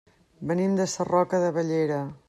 Venim de Sarroca de Bellera.